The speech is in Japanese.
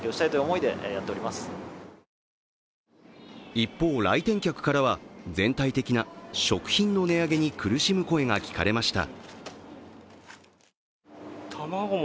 一方、来店客からは全体的な食品の値上げに苦しむ声が聞かれました。